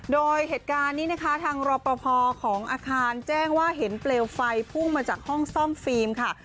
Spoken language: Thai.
โดยเหตุการณ์นี้นะคะทางรอปภของอาคารแจ้งว่าเห็นเปลวไฟพุ่งมาจากห้องซ่อมฟิล์มค่ะ